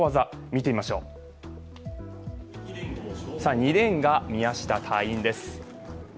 ２レーンが宮下隊員です。